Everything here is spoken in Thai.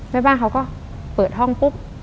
แม่บ้านเขาก็เปิดห้องปุ๊บ